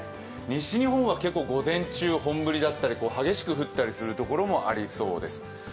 西日本は結構、午前中、本降りだったり激しく降ったりする所もありそうです。